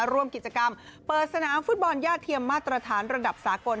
ร่วมกิจกรรมเปิดสนามฟุตบอลย่าเทียมมาตรฐานระดับสากล